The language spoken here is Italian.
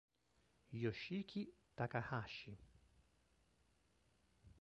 Yoshiki Takahashi